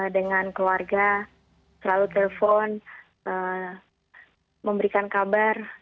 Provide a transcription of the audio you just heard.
dengan keluarga selalu telepon memberikan kabar